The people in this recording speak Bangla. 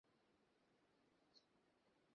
আরে কী করতাছো, বলরাম আমি দেখতে পারছি না।